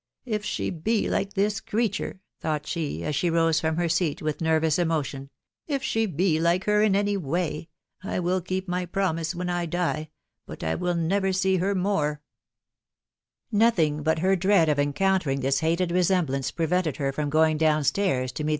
<c If she belike thiB creature," thought? sha>: aa she rose from her seat with nervous emotion, "if she. be like hnr in any way .... I will keep my promise whatt'Idiej tiafe'I will never see her more*" Nothing but her dread of encountering tfofs'hateoVreaam blance prevented* her' from going; down stairs to meet?